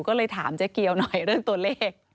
ก็เลยถามเจ๊เกียวหน่อยเรื่องตัวเลข